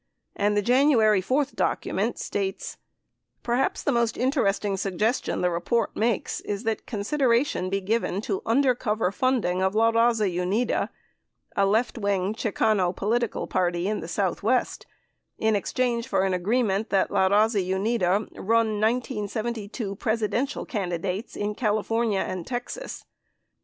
And the January 4 document states : Perhaps the most interesting suggestion the report makes is that consideration be given to under cover funding of La Baza Unida, a left wing Chicano political party in the South west, in exchange for agreement that La Baza Unida run 1972 presidential candidates in California and Texas.